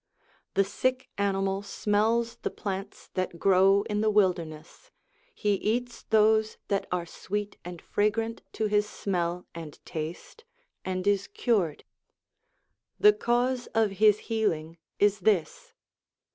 The sick animal smells the plants that grow in the wilderness, he eats those that are sweet and fragrant 298 SOME ANSWERED QUESTIONS to his smell and taste, and is cured. The cause of his healing is this.